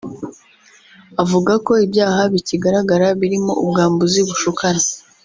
Avuga ko ibyaha bikigaragara birimo ubwambuzi bushukana